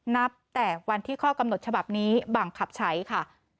นับแต่วันที่ข้อกำหนดฉบับนี้บังคับใช้ค่ะ